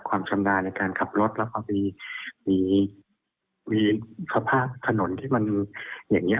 ความชำนาญในการขับรถแล้วเขามีสภาพถนนที่มันอย่างนี้